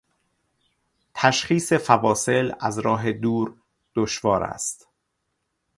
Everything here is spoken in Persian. تشخیص فواصل، از راه دور دشوار است.